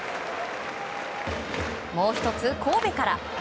もう１つ、神戸から。